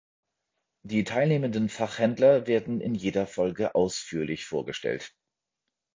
Die teilnehmenden Fachhändler werden in jeder Folge ausführlich vorgestellt.